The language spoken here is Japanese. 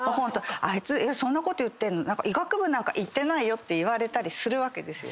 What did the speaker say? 「あいつそんなこと言ってるの⁉医学部なんか行ってない」って言われたりするわけですよ。